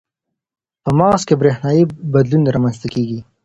په مغز کې برېښنايي بدلون رامنځته کېږي.